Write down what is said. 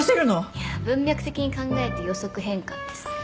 いや文脈的に考えて予測変換です。